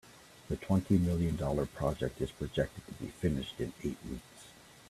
The twenty million dollar project is projected to be finished in eight weeks.